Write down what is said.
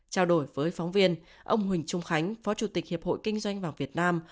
trao đổi với phóng viên ông huỳnh trung khánh phó chủ tịch hiệp hội kinh doanh vàng việt nam